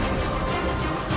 lâu nhất có thể